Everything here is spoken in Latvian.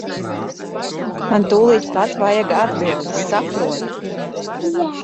Man tūlīt pat vajag atbildes, saproti.